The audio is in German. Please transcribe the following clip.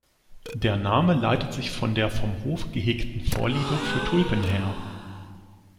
Der Name leitet sich von der vom Hof gehegten Vorliebe für Tulpen her.